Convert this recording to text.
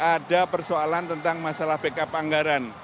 ada persoalan tentang masalah backup anggaran